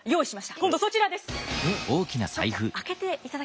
今度そちらです。